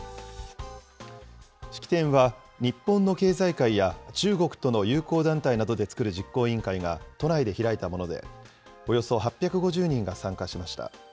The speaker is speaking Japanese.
式典は日本の経済界や中国との友好団体などでつくる実行委員会が都内で開いたもので、およそ８５０人が参加しました。